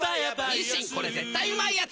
「日清これ絶対うまいやつ」